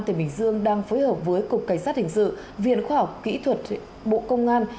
tỉnh bình dương đang phối hợp với cục cảnh sát hình sự viện khoa học kỹ thuật bộ công an